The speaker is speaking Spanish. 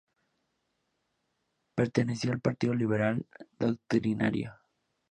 Perteneció al partido Liberal Doctrinario.